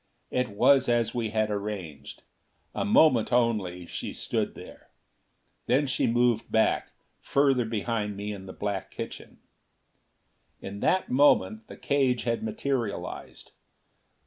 It was as we had arranged. A moment only, she stood there; then she moved back, further behind me in the black kitchen. And in that moment the cage had materialized.